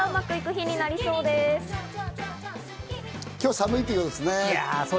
今日は寒いということですね。